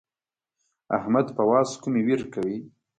احمد په واز کومې وير کوي.